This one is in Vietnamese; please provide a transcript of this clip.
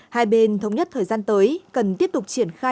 hai bên thống nhất thời gian tới cần tiếp tục triển khai